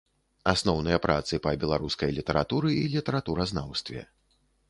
Асноўныя працы па беларускай літаратуры і літаратуразнаўстве.